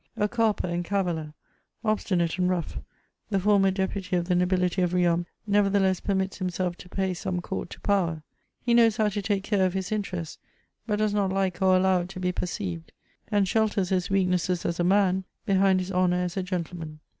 A carper and caviller, obstinate and rough, the former deputy of the nobility of Riom nevertheless permits himself to pay some court to power ; he knows how to take care of his interests, but does not like or allow it to be per ceived, and shelters his weaknesses as a man behind his honour as a gentleman.